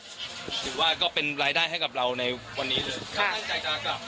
ถือว่าก็เป็นรายได้ให้กับเราในวันนี้เลย